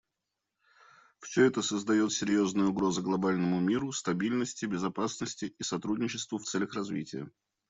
Всё это создает серьезные угрозы глобальному миру, стабильности, безопасности и сотрудничеству в целях развития.